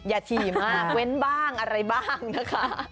ฉี่มากเว้นบ้างอะไรบ้างนะคะ